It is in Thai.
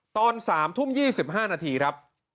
ตอน๓ทุ่ม๒๕นาทีครับ